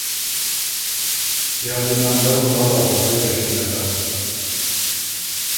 یا دی ناندر مُلا لاسته خوئ پِشتِنه کَه